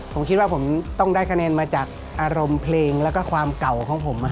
ผมคิดว่าผมต้องได้คะแนนมาจากอารมณ์เพลงแล้วก็ความเก่าของผม